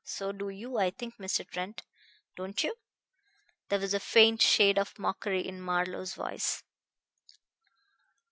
So do you, I think, Mr. Trent. Don't you?" There was a faint shade of mockery in Marlowe's voice.